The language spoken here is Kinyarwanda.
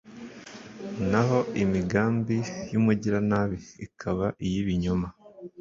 naho imigambi y'umugiranabi ikaba iy'ibinyoma